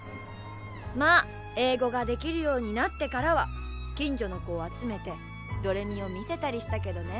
まあ英語ができるようになってからは近所の子を集めて「どれみ」を見せたりしたけどね。